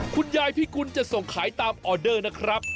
คุณยายพิกุลจะส่งขายตามออเดอร์นะครับ